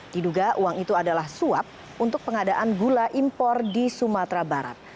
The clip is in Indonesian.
diduga uang itu adalah suap untuk pengadaan gula impor di sumatera barat